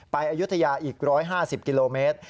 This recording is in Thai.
อายุทยาอีก๑๕๐กิโลเมตร